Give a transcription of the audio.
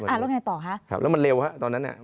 แล้วไงต่อคะครับแล้วมันเร็วฮะตอนนั้นอ่ะ